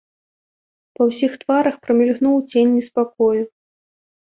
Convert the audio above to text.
Па ўсіх тварах прамільгнуў цень неспакою.